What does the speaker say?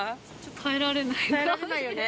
耐えられないよね。